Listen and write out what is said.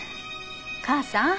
母さん？